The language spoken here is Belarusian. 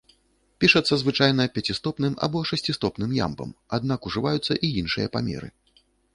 Пішацца звычайна пяцістопным або шасцістопным ямбам, аднак ужываюцца і іншыя памеры.